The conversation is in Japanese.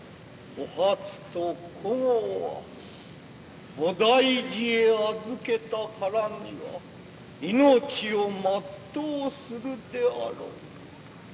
お初と江は菩提寺へ預けたからには命を全うするであろう。